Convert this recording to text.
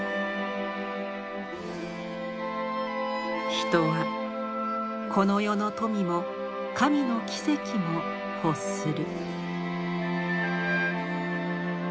人はこの世の富も神の奇跡も欲する。